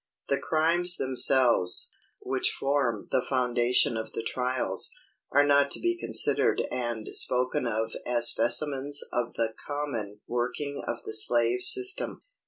The crimes themselves, which form the foundation of the trials, are not to be considered and spoken of as specimens of the common working of the slave system.